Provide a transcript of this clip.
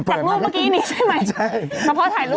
จากรูปเมื่อกี้นี้ใช่ไหม